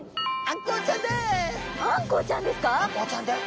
あんこうちゃんです。